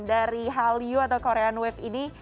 dari hallyu atau korean wave ini